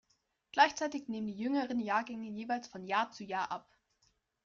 Gleichzeitig nehmen die jüngeren Jahrgänge jeweils von Jahr zu Jahr ab.